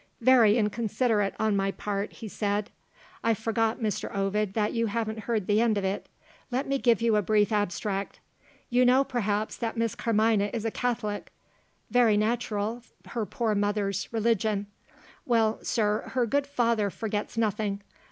"Very inconsiderate, on my part," he said; "I forgot, Mr. Ovid, that you haven't heard the end of it. Let me give you a brief abstract. You know, perhaps, that Miss Carmina is a Catholic? Very natural her poor mother's religion. Well, sir, her good father forgets nothing.